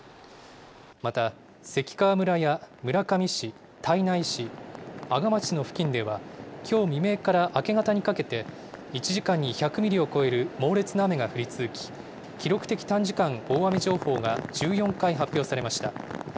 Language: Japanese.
また関川村や村上市、胎内市、阿賀町の付近では、きょう未明から明け方にかけて、１時間に１００ミリを超える猛烈な雨が降り続き、記録的短時間大雨情報が１４回発表されました。